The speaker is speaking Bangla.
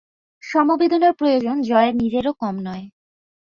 সমবেদনার প্রয়োজন জয়ার নিজেরও কম নয়।